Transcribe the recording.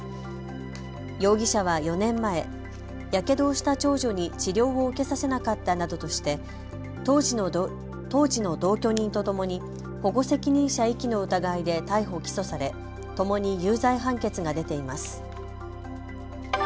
容疑者は４年前、やけどをした長女に治療を受けさせなかったなどとして当時の同居人とともに保護責任者遺棄の疑いで逮捕・起訴されともに有罪判決が出ています。